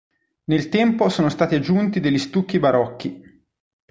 Nel tempo sono stati aggiunti degli stucchi barocchi.